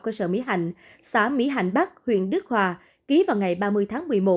cơ sở mỹ hạnh xã mỹ hạnh bắc huyện đức hòa ký vào ngày ba mươi tháng một mươi một